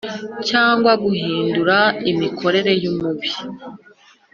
Cyangwa guhindura imikorere y umubiri